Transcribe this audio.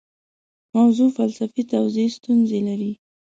موضوع فلسفي توضیح ستونزې لري.